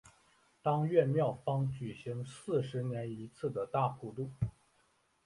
当月庙方举行四十年一次的大普度。